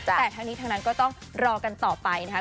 แต่ทั้งนี้ทั้งนั้นก็ต้องรอกันต่อไปนะครับ